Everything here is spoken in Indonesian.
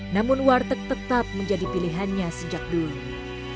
namun warteg tetap menjadi pilihannya sejak dulu